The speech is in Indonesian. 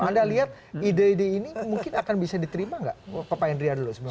anda lihat ide ide ini mungkin akan bisa diterima nggak pak indria dulu sebenarnya